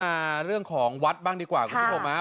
มาเรื่องของวัดบ้างดีกว่าคุณผู้ชมฮะ